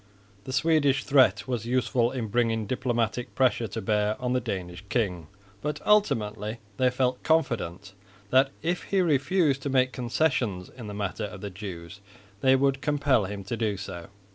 The Swedish threat was useful in bringing diplomatic pressure to bear on the Danish king, but ultimately they felt confident that, if he refused to make concessions in the matter of the dues, they could compel him to do so.